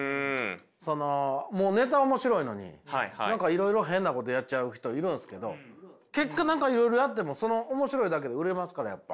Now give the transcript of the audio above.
そのネタは面白いのに何かいろいろ変なことやっちゃう人いるんですけど結果いろいろやっても面白いだけで売れますからやっぱ。